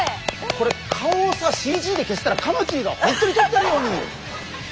これ顔をさＣＧで消したらカマキリが本当にとってるように。